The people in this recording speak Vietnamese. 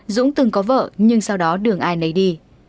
dũng từng có vợ nhưng sau đó đường ai nấy đi